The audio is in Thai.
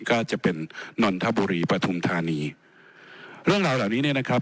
ก็จะเป็นนนทบุรีปฐุมธานีเรื่องราวเหล่านี้เนี่ยนะครับ